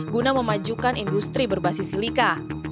guna memajukan industri berbasis silika